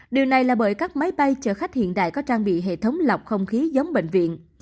điều này là bởi các máy bay chở khách hiện đại có trang bị hệ thống lọc không khí giống bệnh viện